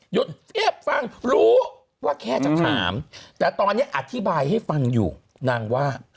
เทียบฟังรู้ว่าแค่จะถามแต่ตอนนี้อธิบายให้ฟังอยู่นางว่า